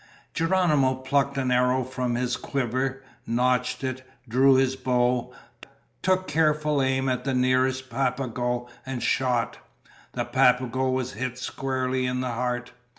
Geronimo plucked an arrow from his quiver, nocked it, drew his bow, took careful aim at the nearest Papago, and shot. The Papago was hit squarely in the heart.